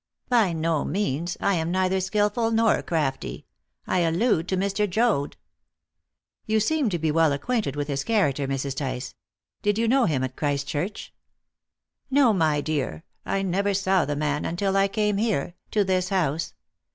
"By no means. I am neither skilful nor crafty. I allude to Mr. Joad." "You seem to be well acquainted with his character, Mrs. Tice. Did you know him at Christchurch?" "No, my dear. I never saw the man until I came here to this house.